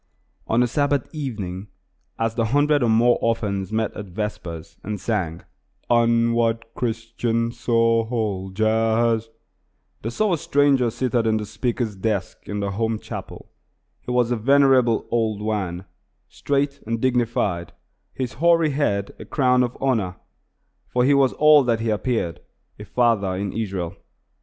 On a Sabbath evening, as the hundred or more orphans met at vespers and sang, "Onward, Christian Soldiers!" they saw a stranger seated at the speaker's desk in the home chapel. He was a venerable old Wan, straight and dignified, his hoary head a crown of honor; for he was all that he appeared a father in Israel.